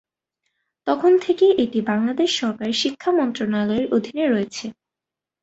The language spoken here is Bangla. তখন থেকেই এটি বাংলাদেশ সরকারের শিক্ষা মন্ত্রণালয়ের অধীনে রয়েছে।